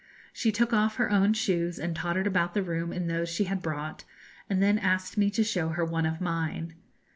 She took off her own shoes and tottered about the room in those she had brought, and then asked me to show her one of mine.